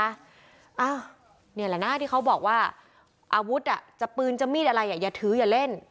อ้าวนี่แหละนะที่เขาบอกว่าอาวุธอ่ะจะปืนจะมีดอะไรอ่ะอย่าถืออย่าเล่น